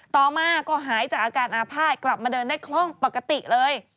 ต่อมาก็หายจากอาการอาภาษณ์กลับมาเดินได้คล่องปกติเลย